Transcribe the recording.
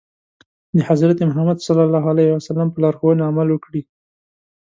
د حضرت محمد ص په لارښوونو عمل وکړي.